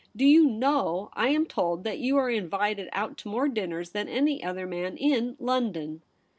Do you know, I am told that you are invited out to more dinners than any other man in London.'